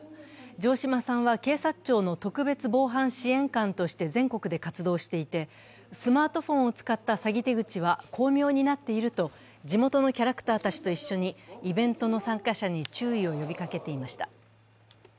城島さんは、警察庁の特別防犯支援官として全国で活動していて、スマートフォンを使った詐欺手口は巧妙になっていると地元のキャラクターたちと一緒にイベントの参加者に注意を呼びかけていました。